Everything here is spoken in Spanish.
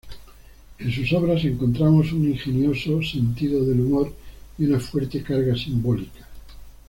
En sus obras encontramos un ingenioso sentido del humor y una fuerte carga simbólica.